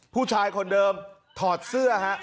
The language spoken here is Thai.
ผู้ชายคนเดิมถอดเสื้อฮะ